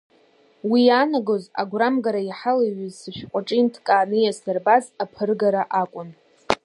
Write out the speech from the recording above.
Уи иаанагоз агәрамгара иҳалаҩыз, сышәҟәаҿы инҭкааны иасырбаз, аԥыргара акәын.